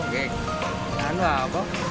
gak ada apa apa